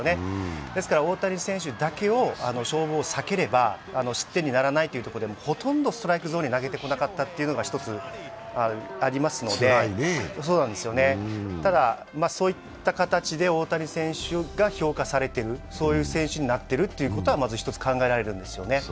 ですから大谷選手だけの勝負を避ければ失点にならないというところ、ほとんどストライクゾーンに投げてこなかったというのが１つありますので、ただ、そういった形で大谷選手が評価されている、そういう選手になってるということはまず一つ考えられるんですよね。